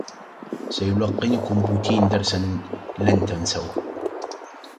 سيلقّنكم بوتين درسا لن تنسوه.